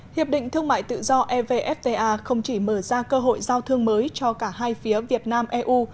hiệp định thương mại tự do evfta không chỉ mở ra cơ hội giao thương mới cho cả hai phía việt nam eu